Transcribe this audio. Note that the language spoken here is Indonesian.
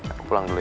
aku pulang dulu ya